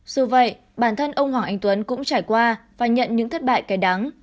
dù vậy bản thân ông hoàng anh tuấn cũng trải qua và nhận những thất bại cay đắng